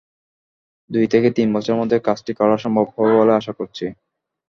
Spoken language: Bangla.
দুই থেকে তিন বছরের মধ্যে কাজটি করা সম্ভব হবে বলে আশা করছি।